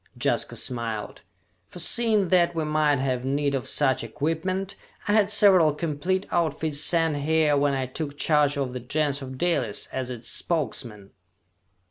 Jaska smiled. "Forseeing that we might have need of such equipment, I had several complete outfits sent here when I took charge of the Gens of Dalis as its Spokesman!"